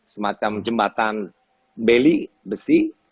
semacam jembatan beli besi